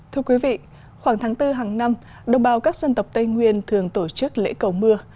thưa quý vị khoảng tháng bốn hàng năm đồng bào các dân tộc tây nguyên thường tổ chức lễ cầu mưa